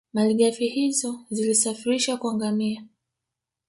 Malighafi hizo zilisafirishwa kwa ngamia